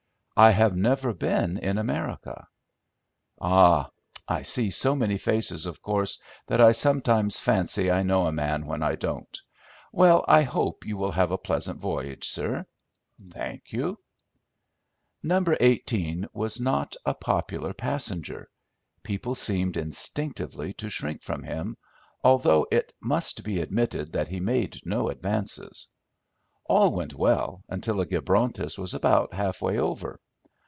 "I have never been in America." "Ah! I see so many faces, of course, that I sometimes fancy I know a man when I don't. Well, I hope you will have a pleasant voyage, sir." "Thank you." No. 18 was not a popular passenger. People seemed instinctively to shrink from him, although it must be admitted that he made no advances. All went well until the Gibrontus was about half way over.